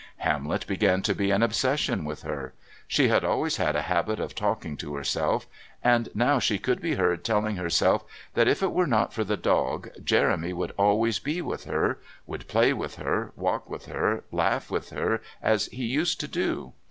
Hamlet began to be an obsession with her. She had always had a habit of talking to herself, and now she could be heard telling herself that if it were not for the dog, Jeremy would always be with her, would play with her, walk with her, laugh with her as he used to do.